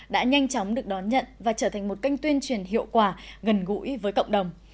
đã nhanh chóng được đón nhận và trở thành một kênh tuyên truyền hiệu quả gần gũi với cộng đồng